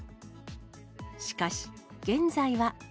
しかし、現在は。